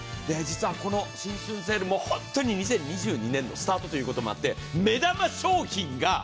で実はこの新春セールもう本当に２０２２年のスタートという事もあって目玉商品が！